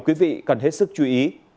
quý vị cần hết sức chú ý